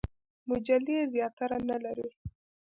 مجلې زیاتره نه لري.